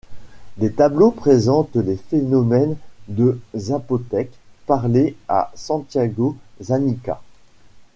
Les tableaux présentent les phonèmes du zapotèque parlé à Santiago Xanica.